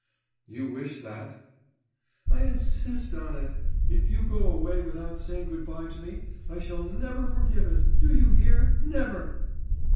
'You wish that?' 'I insist on it. If you go away without saying good bye to me, I shall never forgive it, do you hear, never!